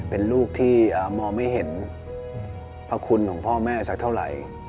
เป็นลูกที่มองไม่เห็นพระคุณของพ่อแม่สักเท่าไหร่